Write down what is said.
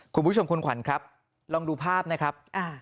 คุณผู้ชมคุณขวัญครับลองดูภาพนะครับ